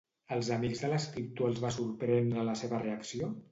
Als amics de l'escriptor els va sorprendre la seva reacció?